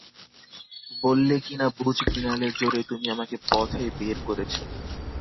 বললে কিনা ভুজমৃণালের জোরে তুমি আমাকে পথে বের করেছ!